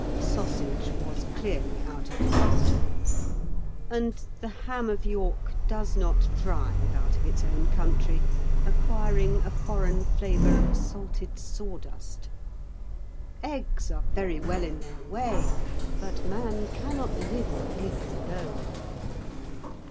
Sausage was clearly out of the question, and the ham of York does not thrive out of its own country, acquiring a foreign flavour of salted sawdust. Eggs are very well in their way, but man cannot live on eggs alone.